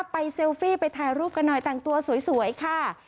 เซลฟี่ไปถ่ายรูปกันหน่อยแต่งตัวสวยค่ะ